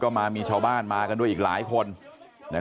ชาวบ้านในพื้นที่บอกว่าปกติผู้ตายเขาก็อยู่กับสามีแล้วก็ลูกสองคนนะฮะ